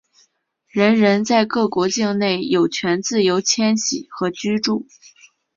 人人在各国境内有权自由迁徙和居住。